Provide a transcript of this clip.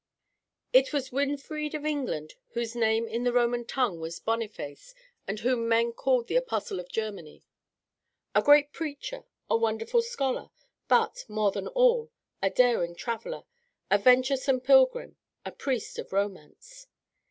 It was Winfried of England, whose name in the Roman tongue was Boniface, and whom men called the Apostle of Germany. A great preacher; a wonderful scholar; but, more than all, a daring traveller, a venturesome pilgrim, a priest of romance.